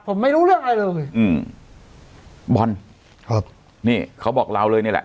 ผมไม่รู้เรื่องอะไรเลยอืมบอลครับนี่เขาบอกเราเลยนี่แหละ